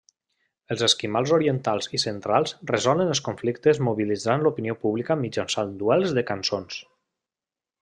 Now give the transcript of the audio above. Els esquimals orientals i centrals resolen els conflictes mobilitzant l'opinió pública mitjançant duels de cançons.